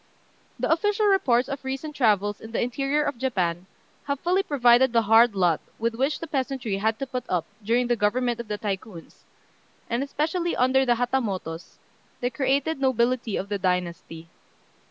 ] The official reports of recent travels in the interior of Japan have fully proved the hard lot with which the peasantry had to put up during the government of the Tycoons, and especially under the Hatamotos, the created nobility of the dynasty.